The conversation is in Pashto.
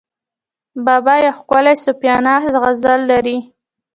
بابا یو ښکلی صوفیانه غزل لري.